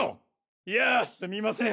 いやあすみません。